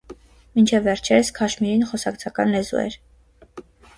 Մինչև վերջերս քաշմիրին խոսակցական լեզու էր։